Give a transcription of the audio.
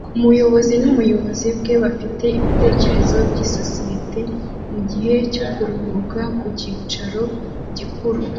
Umuyobozi nubuyobozi bwe bafite ibitekerezo byisosiyete mugihe cyo kuruhuka ku cyicaro gikuru